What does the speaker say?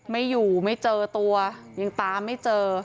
ไม่อยู่ไม่เจอตัวยังตามไม่เจอ